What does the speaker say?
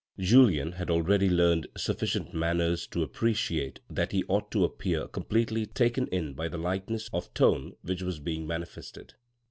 Julien had already learned sufficient manners to appreciate that he ought to appear completely taken in by the lightness of tone which was being manifested.